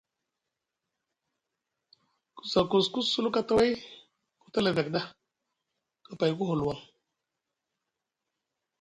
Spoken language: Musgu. Ku za kosku sulu kataway ku tala evek ɗa, kapay ku huluwaŋ.